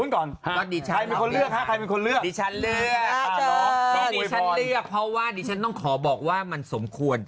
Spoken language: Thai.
เขาใจไหมอย่าพลาด